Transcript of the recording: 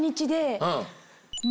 で